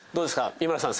三村さん